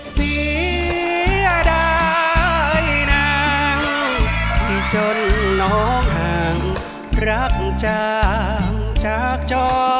เสียดายนางที่จนน้องห่างรักจางจากจอ